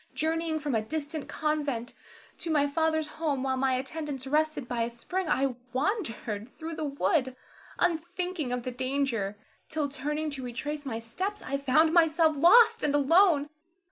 Journeying from a distant convent to my father's home, while my attendants rested by a spring I wandered through the wood, unthinking of the danger, till turning to retrace my steps, I found myself lost and alone.